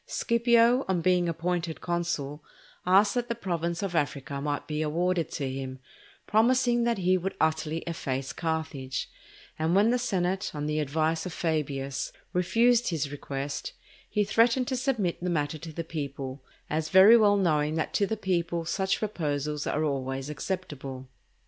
Scipio, on being appointed consul, asked that the province of Africa might be awarded to him, promising that he would utterly efface Carthage; and when the senate, on the advice of Fabius, refused his request, he threatened to submit the matter to the people as very well knowing that to the people such proposals are always acceptable.